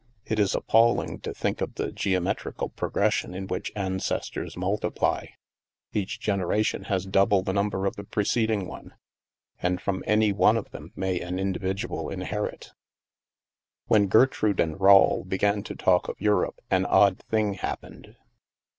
It is appalling to think of the geometri cal progression in which ancestors multiply. Each generation has double the number of the preceding I02 THE MASK one, and from any one of them may an individual inherit. When Gertrude and Rawle began to talk of Eu rope, an odd thing "happened.